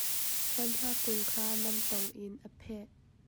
Banhla kung kha namtong in a pheh.